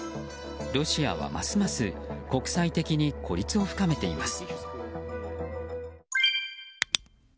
ロシアはますます国際的に孤立を深めています。